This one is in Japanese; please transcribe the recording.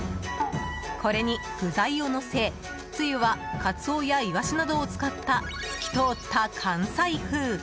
これに具材をのせ、つゆはカツオやイワシなどを使った透き通った関西風。